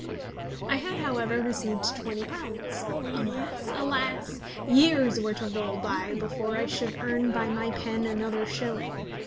I had, however, received £20. Alas! alas! years were to roll by before I should earn by my pen another shilling.